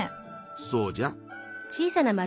そうじゃ。